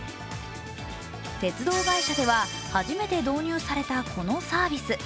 鉄道会社では初めて導入されたこのサービス。